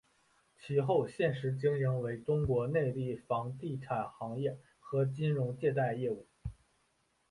其后现时经营为中国内地房地产行业和金融借贷业务。